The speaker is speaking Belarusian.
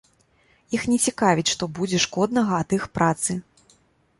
Іх не цікавіць, што будзе шкоднага ад іх працы.